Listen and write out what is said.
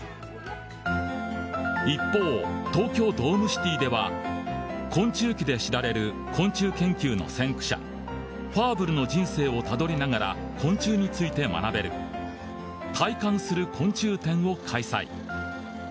一方、東京ドームシティでは「昆虫記」で知られる昆虫研究の先駆者ファーブルの人生をたどりながら昆虫について学べる体感する昆虫展を開催。